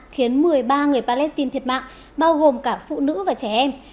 khiến một mươi ba người palestine thiệt mạng bao gồm cả phụ nữ và trẻ em